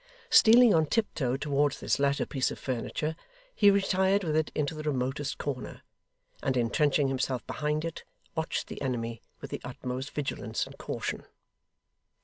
Stealing on tiptoe towards this latter piece of furniture, he retired with it into the remotest corner, and intrenching himself behind it, watched the enemy with the utmost vigilance and caution.